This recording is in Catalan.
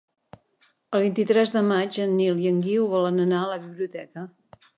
El vint-i-tres de maig en Nil i en Guiu volen anar a la biblioteca.